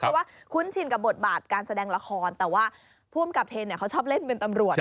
เพราะว่าคุ้นชินกับบทบาทการแสดงละครแต่ว่าผู้อำกับเทนเขาชอบเล่นเป็นตำรวจ